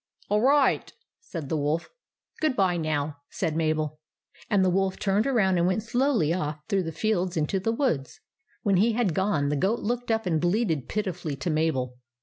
" All right !" said the Wolf. " Good bye, now," said Mabel ; and the Wolf turned around and went slowly off through the fields into the woods. When he had gone, the goat looked up and bleated pitifully to Mabel.